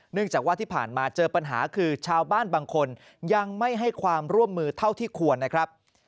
จากว่าที่ผ่านมาเจอปัญหาคือชาวบ้านบางคนยังไม่ให้ความร่วมมือเท่าที่ควรนะครับ